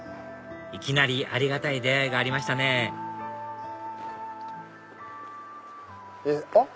いきなりありがたい出会いがありましたねあっ。